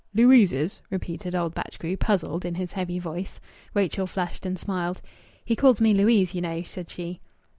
"Louise's?" repeated old Batchgrew, puzzled, in his heavy voice. Rachel flushed and smiled. "He calls me Louise, you know," said she.